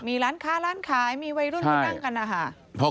มีร้านค้ามีวัยรุ่นมานั่งกันนะฮะ